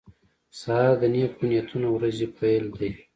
سهار د نیکو نیتونو ورځې پیل دی.